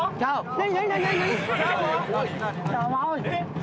何？